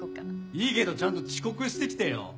いいけどちゃんと遅刻してきてよ。